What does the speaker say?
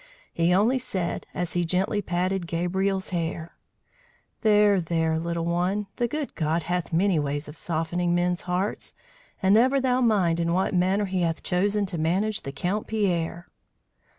He only said, as he gently patted Gabriel's hair: "There, there, little one! the good God hath many ways of softening men's hearts, and never thou mind in what manner he hath chosen to manage the Count Pierre!"